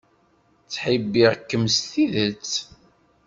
Ttḥibbiɣ-kem s tidet.